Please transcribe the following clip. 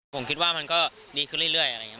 ผมคิดว่ามันก็ดีขึ้นเรื่อยอะไรอย่างนี้